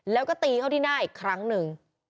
แล้วก็ตีเข้าที่หน้าอีกครั้งหนึ่ง